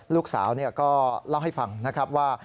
ลูกสาวก็เล่าให้ฟังนะครับว่า